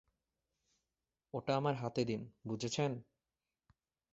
ওটা আমার হাতে দিন, বুঝেছেন?